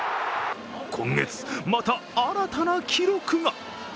今月、また新たな記録が。